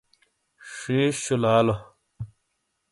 شیش شولالو